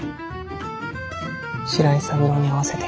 白井三郎に会わせて。